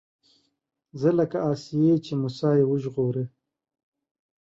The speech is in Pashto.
زه لکه آسيې چې موسی يې وژغوره